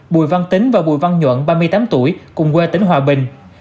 bùi văn tính và bùi văn nhuận ba mươi tám tuổi cùng quê tỉnh hòa bình